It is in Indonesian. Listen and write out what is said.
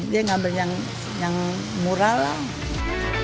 dia ngambil yang murah lah